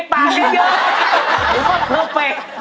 ถ้าไม่มีเวลาที่ถึง